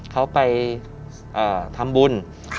เขาไปทำบุญ